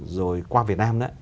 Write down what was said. rồi qua việt nam